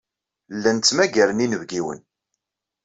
Llan ttmagaren inebgiwen.